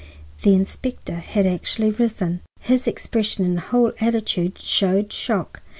The inspector had actually risen. His expression and whole attitude showed shock.